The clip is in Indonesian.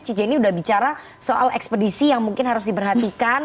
cici ini udah bicara soal ekspedisi yang mungkin harus diperhatikan